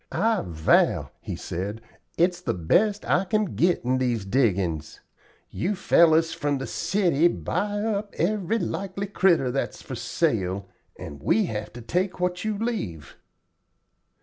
'I vow,' he said, 'it's the best I kin get in these diggin's. You fellers from the city buy up every likely critter that's for sale, and we have to take what you leave.'